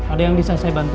ada yang bisa saya bantu